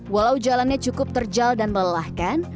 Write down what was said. walau jalannya cukup terjal dan melelahkan